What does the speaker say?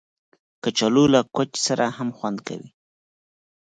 کچالو له کوچ سره هم خوند کوي